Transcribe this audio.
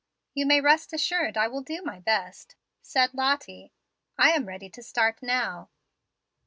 "You may rest assured I will do my best," said Lottie. "I am ready to start now."